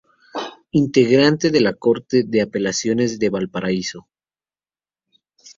Integrante de la Corte de Apelaciones de Valparaíso.